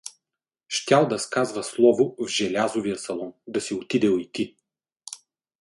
Щял да сказва слово в Желязовия салон, да си отидел и ти.